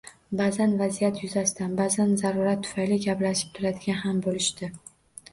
Ba`zan vaziyat yuzasidan, ba`zan zarurat tufayli gaplashib turadigan ham bo`lishdi